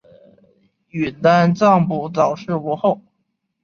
允丹藏卜早逝无后。